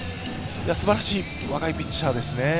すばらしい若いピッチャーですね。